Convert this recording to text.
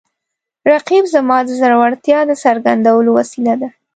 رقیب زما د زړورتیا د څرګندولو وسیله ده